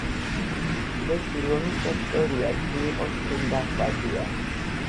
ლეკვი ლომიაა სწორია, ძუ იყოს თუნდა ხვადია